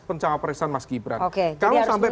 pencapresan mas gibran oke kalau sampai